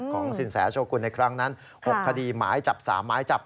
สินแสโชกุลในครั้งนั้น๖คดีหมายจับ๓หมายจับ